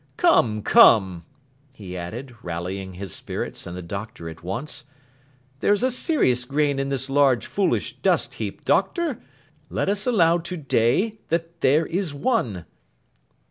Come, come!' he added, rallying his spirits and the Doctor at once, 'there's a serious grain in this large foolish dust heap, Doctor. Let us allow to day, that there is One.